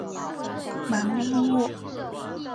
芒乌沃。